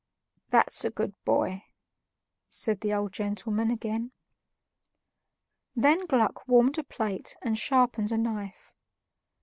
"That's a good boy," said the old gentleman again. Then Gluck warmed a plate and sharpened a knife.